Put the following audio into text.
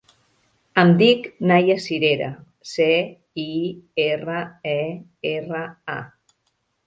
Em dic Naia Cirera: ce, i, erra, e, erra, a.